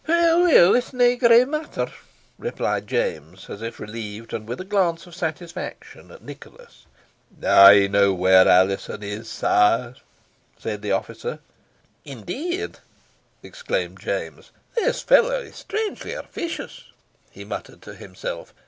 "Weel weel it is nae great matter," replied James, as if relieved, and with a glance of satisfaction at Nicholas. "I know where Alizon is, sire," said the officer. "Indeed!" exclaimed James. "This fellow is strangely officious," he muttered to himself.